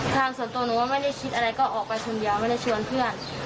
ส่วนตัวหนูก็ไม่ได้คิดอะไรก็ออกไปคนเดียวไม่ได้ชวนเพื่อน